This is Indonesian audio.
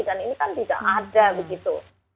dan ini kan tidak ada begitu